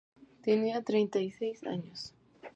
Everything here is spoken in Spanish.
Tenía treinta y seis años.